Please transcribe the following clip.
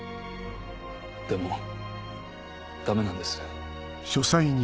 でもダメなんです。